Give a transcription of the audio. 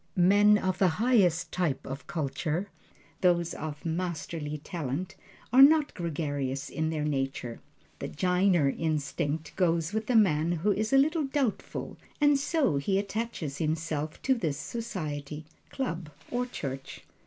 Men of the highest type of culture those of masterly talent are not gregarious in their nature. The "jiner" instinct goes with a man who is a little doubtful, and so he attaches himself to this society, club or church.